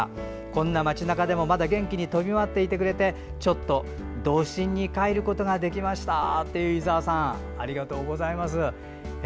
こんな街なかでもまだ元気に飛び回っていてくれてちょっと童心に返ることができましたという伊澤さん、ありがとうございます。